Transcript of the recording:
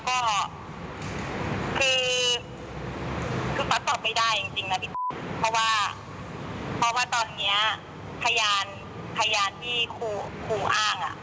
ก็คือคือเขาตอบไม่ได้จริงนะพี่เพราะว่าเพราะว่าตอนนี้พยานพยานที่ครูอ้างอ่ะ